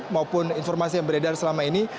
maupun informasi yang beredar selama ini